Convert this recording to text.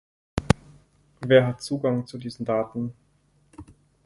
Wer hat Zugang zu diesen Daten?